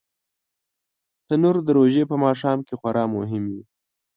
تنور د روژې په ماښام کې خورا مهم وي